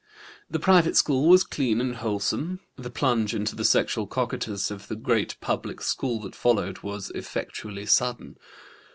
"The private school was clean and wholesome. The plunge into the sexual cocytus of the great public school that followed was effectually sudden.